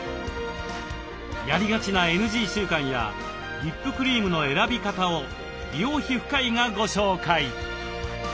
やりがちなＮＧ習慣やリップクリームの選び方を美容皮膚科医がご紹介。